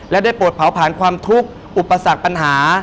และได้โปรดเผาผ่านความทุกข์อุปสรรคปัญหา